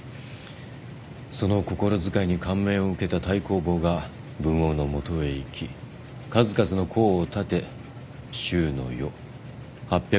その心遣いに感銘を受けた太公望が文王のもとへ行き数々の功を立て周の世８００年の礎を築いたのです。